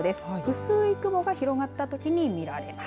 薄い雲が広がったときに見られます。